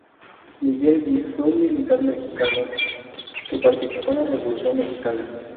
Miguel Gil fue un militar mexicano que participó en la Revolución mexicana.